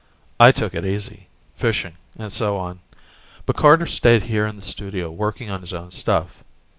I took it easy, fishing and so on, but Carter stayed here in the studio working on his own stuff.